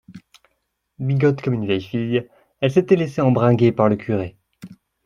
Bigote comme une vieille fille, elle s’était laissé embringuer par le curé